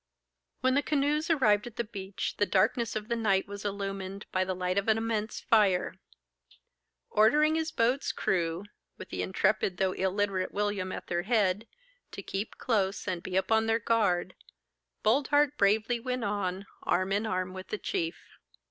When the canoes arrived at the beach, the darkness of the night was illumined by the light of an immense fire. Ordering his boat's crew (with the intrepid though illiterate William at their head) to keep close and be upon their guard, Boldheart bravely went on, arm in arm with the chief.